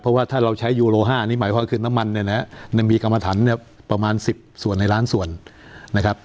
เพราะว่าถ้าเราใช้ยูโล๕นี่หมายความคือน้ำมันเนี่ยนะมีกรรมฐานเนี่ยประมาณ๑๐ส่วนในล้านส่วนนะครับ